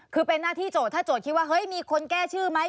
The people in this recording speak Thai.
คือเป็นหน้าที่โจทย์ถ้าโจทย์คิดว่าเฮ้ยมีคนแก้ชื่อไหม